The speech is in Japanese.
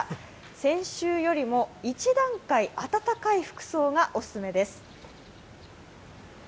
先週よりも一段階暖かい服装がお勧めです。